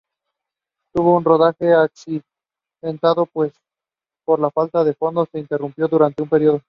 Tuvo un rodaje accidentado pues por falta de fondos se interrumpió durante un período.